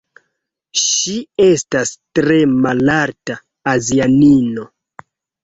Ŝi estas tre malalta azianino